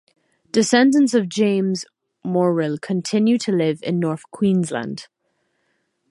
Descendants of James Morrill continue to live in North Queensland.